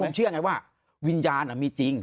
ผมเชื่อไงว่าวิญญาณมีจริง